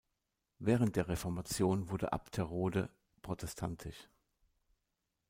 Während der Reformation wurde Abterode protestantisch.